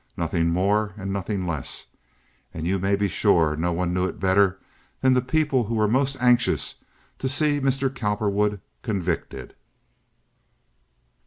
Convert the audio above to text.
Nothing more and nothing less; and you may be sure no one knew it better than the people who were most anxious to see Mr. Cowperwood convicted."